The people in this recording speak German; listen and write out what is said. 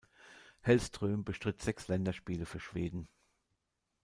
Hellström bestritt sechs Länderspiele für Schweden.